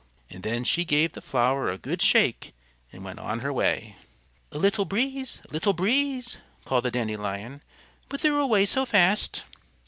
And then she gave the flower a good shake and went on her way. "Little Breeze, little Breeze," called the Dandelion, "whither away so fast?"